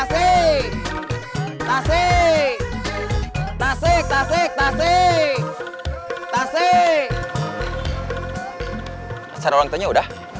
secara orangtanya udah